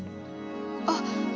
あっ。